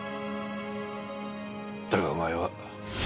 だがお前は。